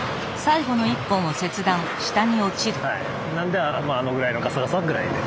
なのであのぐらいのガサガサぐらいで。